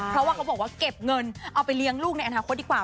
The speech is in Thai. เพราะว่าเขาบอกว่าเก็บเงินเอาไปเลี้ยงลูกในอนาคตดีกว่า